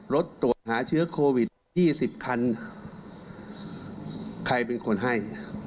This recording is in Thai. รถตรวจหาเชื้อโควิด๒๐คันใครเป็นคนให้